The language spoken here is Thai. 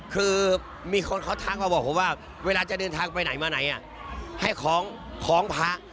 คือมีคนเขาทักมาบอกผมว่าเวลาจะเดินทางไปไหนมาไหนให้คล้องพระ